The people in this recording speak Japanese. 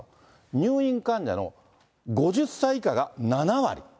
入院患者の５０歳以下が７割。